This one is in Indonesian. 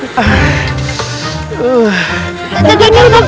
tidak tidak ini udah